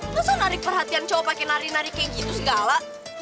masa narik perhatian cowok pake narik narik kayak gitu segala